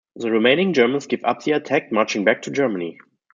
The remaining Germans give up the attack, marching back to Germany.